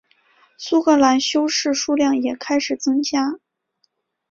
苏格兰修士数量也开始增加。